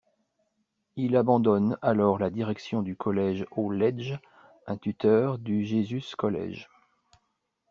Il abandonne alors la direction du collège au Legge, un tuteur du Jesus College.